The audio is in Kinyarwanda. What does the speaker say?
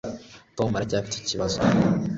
Tom aracyafite icyo kibazo